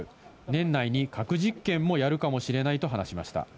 年内に核実験もやるかもしれないと話しました。